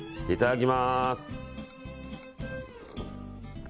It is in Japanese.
いただきます。